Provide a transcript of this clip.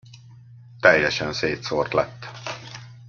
Teljesen szétszórt lett.